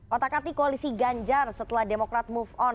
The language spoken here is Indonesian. otak atik koalisi ganjar setelah demokrat move on